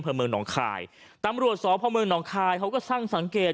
คนมืองนองคลายตำรัวสวทพระมืองนองคลายเขาก็สร้างสังเกต